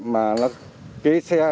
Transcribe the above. mà cái xe